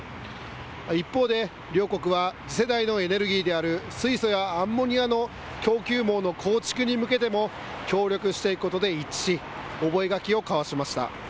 一方で、両国は次世代のエネルギーである水素やアンモニアの供給網の構築に向けても協力していくことで一致し、覚書を交わしました。